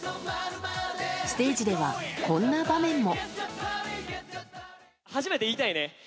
ステージでは、こんな場面も。